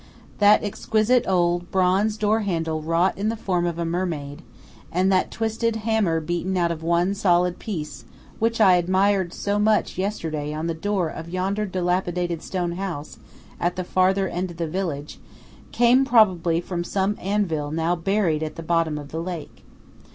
That exquisite old bronze door handle wrought in the form of a mermaid, and that twisted hammer beaten out of one solid piece which I admired so much yesterday on the door of yonder dilapidated stone house at the farther end of the village, came probably from some anvil now buried at the bottom of the lake.